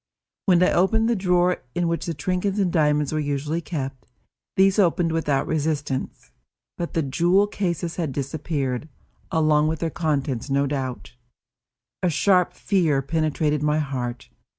When I opened the drawer in which the trinkets and diamonds were usually kept, these opened without resistance, but the jewel cases had disappeared, along with their contents no doubt. A sharp fear penetrated my heart.